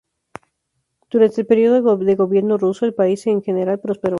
Durante el período de gobierno ruso, el país en general prosperó.